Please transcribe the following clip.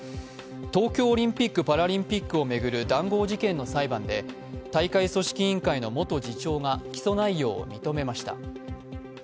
東京オリンピック・パラリンピックを巡る談合事件の裁判で大会組織委員会の元次長が起訴内容を認めました。